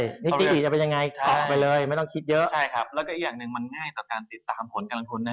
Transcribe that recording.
นิกิจะเป็นยังไงต่อไปเลยไม่ต้องคิดเยอะใช่ครับแล้วก็อีกอย่างหนึ่งมันง่ายต่อการติดตามผลการลงทุนนะฮะ